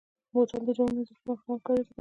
بوتل د جامو مینځلو پر مهال هم کارېدلی شي.